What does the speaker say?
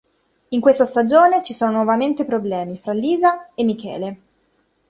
In questa stagione, ci sono nuovamente problemi fra Lisa e Michele.